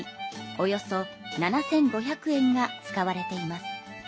およそ７５００円が使われています。